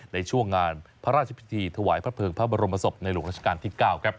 ในช่วงงานพระราชพิธีถวายพระเภิงพระบรมศพในหลวงราชการที่๙ครับ